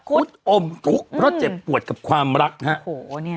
รักกุฎอมทุกข์เพราะเจ็บปวดกับความรักครับ